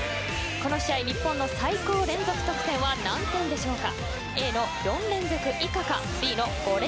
この試合日本の最高連続得点は何点でしょうか。